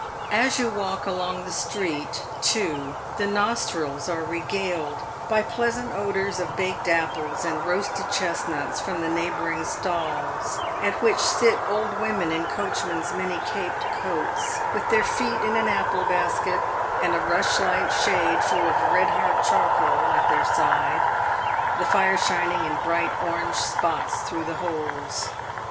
As you walk along the street, too, the nostrils are regaled by pleasant odours of baked apples and roasted chesnuts from the neighbouring stalls, at which sit old women in coachmen's many caped coats, with their feet in an apple basket, and a rushlight shade, full of red hot charcoal, at their side — the fire shining in bright orange spots through the holes.